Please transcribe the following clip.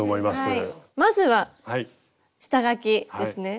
まずは下描きですね。